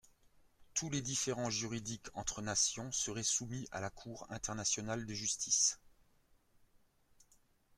Tous les différends juridiques entre nations seraient soumis à la Cour internationale de Justice.